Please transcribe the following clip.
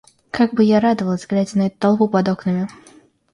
Как бы я радовалась, глядя на эту толпу под окнами!